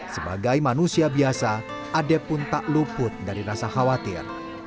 sebagai manusia biasa ade pun tak luput dari rasa khawatir